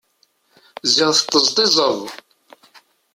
Ziɣ tṭeẓṭeẓeḍ!